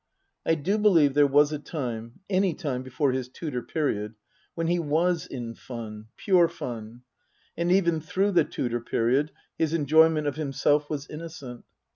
I do believe there was a time (any time before his Tudor period) when he was in fun, pure fun ; and even through the Tudor period his enjoyment of himself was innocent.